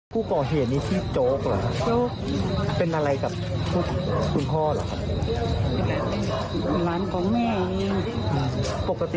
อยู่ด้วยกันไม่คุยกับโลกกัน